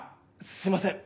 すみません！